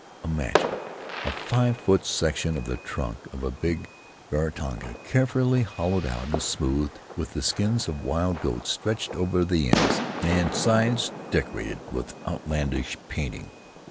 Imagine a five foot section of the trunk of a big Barringtonia, carefully In the Cook Group hollowed out and smoothed, with the skins of wild goats stretched over the ends, and sides decorated with outlandish painting.